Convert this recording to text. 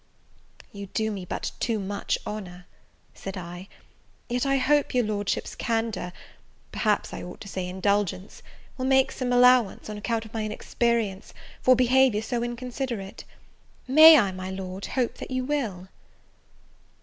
"You do me but too much honour," said I, "yet I hope your Lordship's candour, perhaps I ought to say indulgence, will make some allowance, on account of my inexperience, for behaviour so inconsiderate: May I, my Lord, hope that you will?"